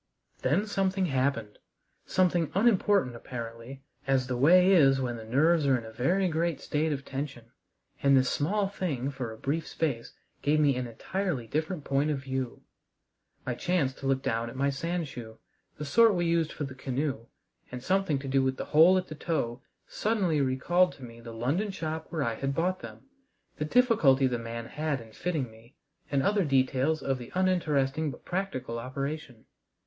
Then something happened, something unimportant apparently, as the way is when the nerves are in a very great state of tension, and this small thing for a brief space gave me an entirely different point of view. I chanced to look down at my sand shoe the sort we used for the canoe and something to do with the hole at the toe suddenly recalled to me the London shop where I had bought them, the difficulty the man had in fitting me, and other details of the uninteresting but practical operation.